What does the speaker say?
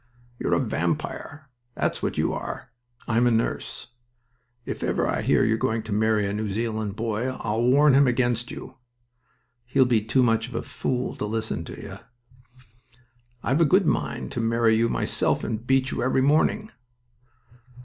"You're a vampire. That's what you are." "I'm a nurse." "If ever I hear you're going to marry a New Zealand boy I'll warn him against you." "He'll be too much of a fool to listen to you." "I've a good mind to marry you myself and beat you every morning."